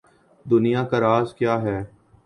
دنیا کا راز کیا ہے؟